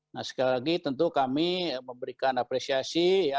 nah sekali lagi tentu kami memberikan apresiasi